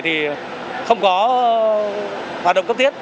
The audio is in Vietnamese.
thì không có hoạt động cấp thiết